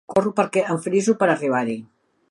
Corro perquè em friso per arribar-hi.